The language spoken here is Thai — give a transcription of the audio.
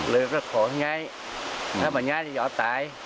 เลยก็ขอให้ย้ายถ้ามาย้ายจะยอดตาย